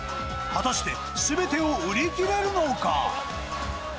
果たしてすべてを売り切れるのか。